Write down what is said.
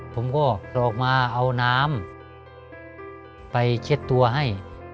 ผมก็จะออกมาเอาน้ำไปเช็ดตัวให้